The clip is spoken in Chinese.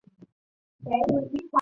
自由对流云通常在的高度形成。